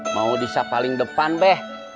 mau disiap paling depan be